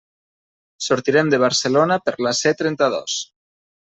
Sortirem de Barcelona per la C trenta-dos.